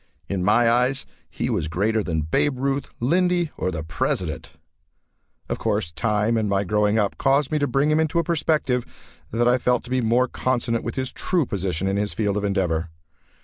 In my eyes he was greater than Babe Ruth, Lindy, or the President. Of course, time, and my growing up caused me to bring him into a perspective that I felt to be more consonant with his true position in his field of endeavor.